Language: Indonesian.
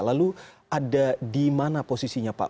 lalu ada di mana posisinya pak